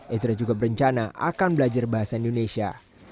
ezra juga berencana akan belajar bahasa indonesia